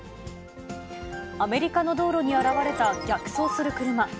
アメリカの道路に現れた逆走する車。